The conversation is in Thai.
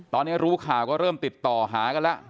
ตอนนี้รู้ข่าวก็เริ่มติดต่อหากันแล้ว